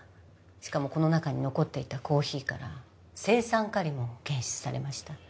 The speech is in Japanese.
しかもこの中に残っていたコーヒーから青酸カリも検出されました。